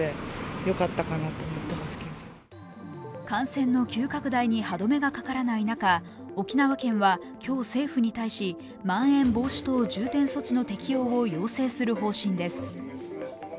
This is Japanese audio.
感染の急拡大に歯止めがかからない中、沖縄県は今日、政府に対し、まん延防止等重点措置の適用を要請する方針です。